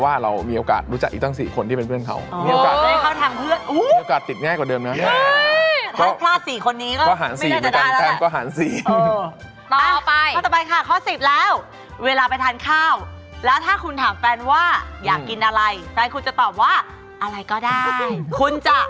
ว่าอยากกินอะไรแฟนคุณจะตอบว่าอะไรก็ได้คุณจะ